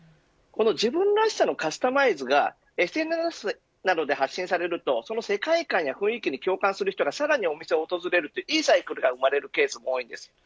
自分のらしさのカスタマイズがＳＮＳなどで発信されるとその世界観や雰囲気に共感する人がさらにお店に訪れるいいサイクルが生まれるケースもあります。